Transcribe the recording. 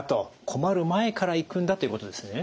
困る前から行くんだということですね。